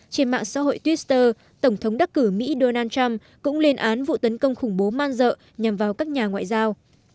trên mạng xã hội twitter tổng thống đắc cử mỹ donald trump cũng lên án vụ tấn công khủng bố man dợ nhằm vào các nhà ngoại giao